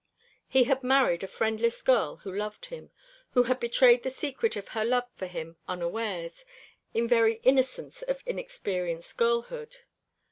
He had married a friendless girl who loved him who had betrayed the secret of her love for him unawares, in very innocence of inexperienced girlhood.